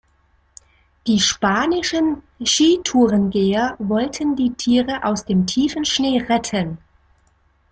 Die spanischen Skitourengeher wollten die Tiere aus dem tiefen Schnee retten.